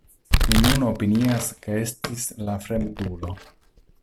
Mi nun opinias ke estis la fremdulo.